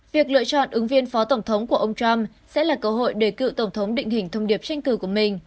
việc lựa chọn ứng viên phó tổng thống của ông trump sẽ là cơ hội để cựu tổng thống định hình thông điệp tranh cử của mình